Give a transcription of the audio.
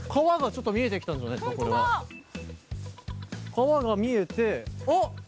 川が見えてあっ！